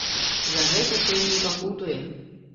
За гэта сёння і пакутуе.